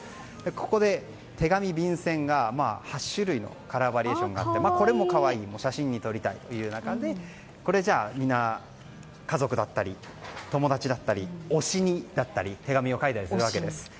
ここで手紙、便箋が８種類のカラーバリエーションがあってこれも可愛い写真に撮りたいという中でみんな家族だったり友達だったり推しにだったり手紙を書いたりするわけです。